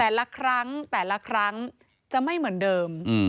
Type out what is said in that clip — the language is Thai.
แต่ละครั้งแต่ละครั้งจะไม่เหมือนเดิม